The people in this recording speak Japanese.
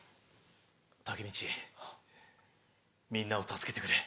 「タケミチみんなを助けてくれ。